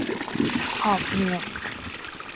หอบเหนื่อย